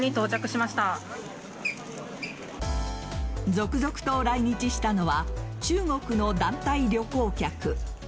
続々と来日したのは中国の団体旅行客。